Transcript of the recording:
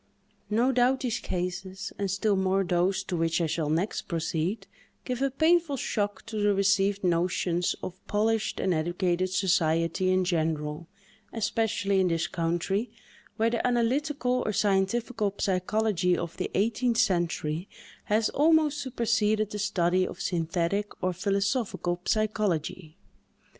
No doubt these cases, and still more those to which I shall next proceed, give a painful shock to the received notions of polished and educated society in general—especially in this country, where the analytical or scientifical psychology of the eighteenth century has almost superseded the study of synthetic or philosophical psychology.